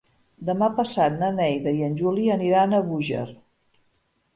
Demà passat na Neida i en Juli aniran a Búger.